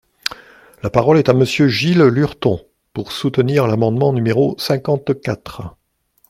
La parole est à Monsieur Gilles Lurton, pour soutenir l’amendement numéro cinquante-quatre.